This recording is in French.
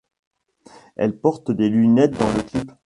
Elle porte des lunettes dans le clip.